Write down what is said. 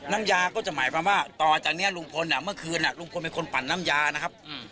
น้ำยาก็จะหมายความว่าต่อจากนี้ลุงพลเมื่อคืนลุงพลเป็นคนปั่นน้ำยานะครับ